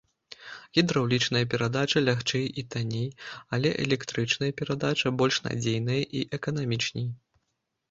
Гідраўлічная перадача лягчэй і танней, але электрычная перадача больш надзейная і эканамічней.